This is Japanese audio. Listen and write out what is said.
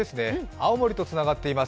青森とつながっています